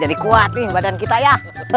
jadi kuat nih badan kita ya